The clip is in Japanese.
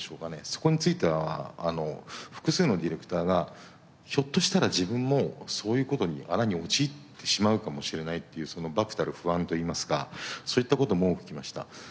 そこについては複数のディレクターがひょっとしたら自分もそういう事に穴に陥ってしまうかもしれないっていうその漠たる不安といいますかそういった事も聞きました。